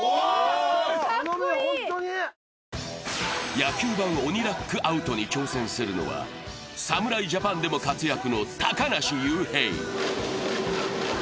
野球版鬼ラックアウトに挑戦するのは、侍ジャパンでも活躍の高梨雄平。